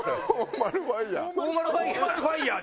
フォーマルファイヤー？